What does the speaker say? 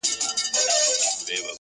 پر تك سره پلـــنــگ.